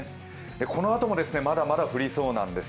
このあともまだまだ降りそうなんです。